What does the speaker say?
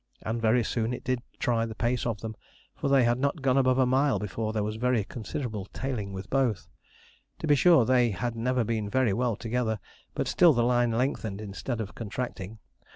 And very soon it did try the pace of them, for they had not gone above a mile before there was very considerable tailing with both. To be sure, they had never been very well together, but still the line lengthened instead of contracting.